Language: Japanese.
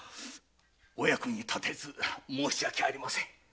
お役に立てず申し訳ありません。